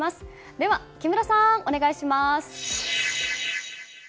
では木村さん、お願いします！